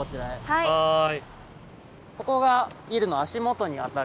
はい。